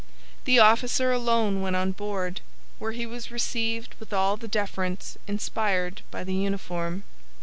The officer alone went on board, where he was received with all the deference inspired by the uniform.